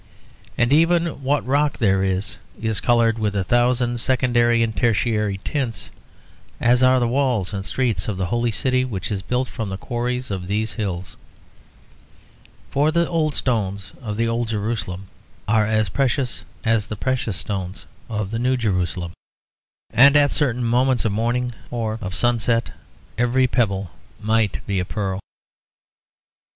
And even what rock there is is coloured with a thousand secondary and tertiary tints, as are the walls and streets of the Holy City which is built from the quarries of these hills. For the old stones of the old Jerusalem are as precious as the precious stones of the New Jerusalem; and at certain moments of morning or of sunset, every pebble might be a pearl.